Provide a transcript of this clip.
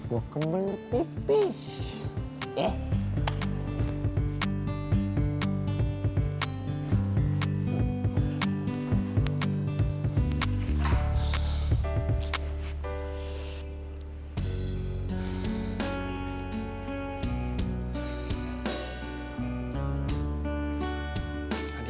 gue kembali pipih